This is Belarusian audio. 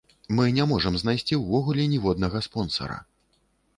Мы не можам знайсці ўвогуле ніводнага спонсара.